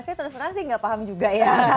saya terus teran sih gak paham juga ya